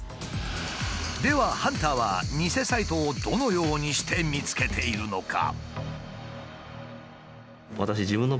ではハンターは偽サイトをどのようにして見つけているのか？